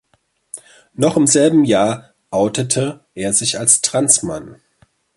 Noch im selben Jahr outete er sich als trans Mann.